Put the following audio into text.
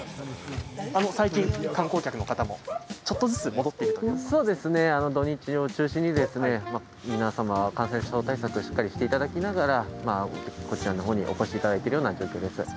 最近、観光客の方もちょっとずつ土日を中心に皆様感染症対策しっかりしていただきながらこちらのほうにお越しいただいているような状況です。